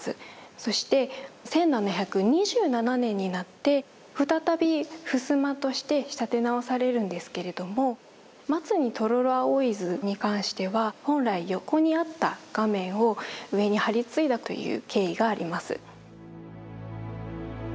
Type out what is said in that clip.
そして１７２７年になって再び襖として仕立て直されるんですけれども「松に黄蜀葵図」に関しては本来横にあった画面を上に貼り接いだという経緯があります。